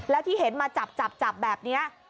แล้วที่เห็นมาจับจับแบบนี้